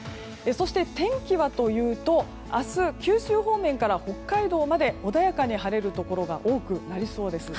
そして天気はというと明日、九州方面から北海道まで穏やかに晴れるところが多くなりそうです。